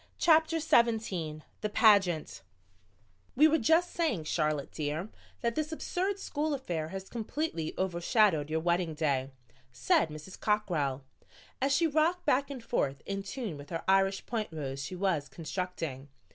CHAPTER XVII THE PAGEANT "We were just saying, Charlotte dear, that this absurd school affair has completely overshadowed your wedding day," said Mrs. Cockrell, as she rocked back and forth in tune with her Irish point rose she was constructing.